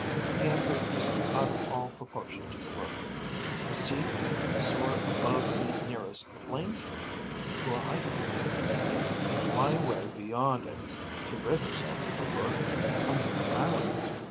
The effort is out of all proportion to the work: I see the Bee soar above the nearest plane tree, to a height of thirty feet, and fly away beyond it to rid herself of her burden, a mere atom.